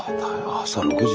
朝６時。